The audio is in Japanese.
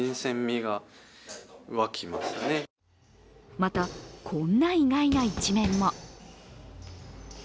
また、こんな意外な一面も。